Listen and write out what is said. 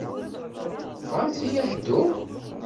Tebɣamt-iyi ad dduɣ?